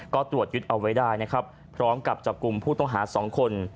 ก็ตรวจยึดเอาไว้ได้นะครับพร้อมกับจับกลุ่มผู้ต้องหา๒คน